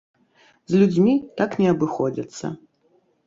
З людзьмі так не абыходзяцца!